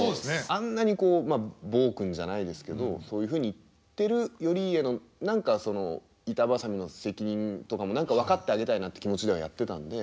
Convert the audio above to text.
あんなにこう暴君じゃないですけどそういうふうに言ってる頼家の何かその板挟みの責任とかも分かってあげたいなって気持ちではやってたんで。